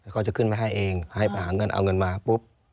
เขาจะขึ้นมาให้เองให้ไปหาเงินเอาเงินมาปุ๊บ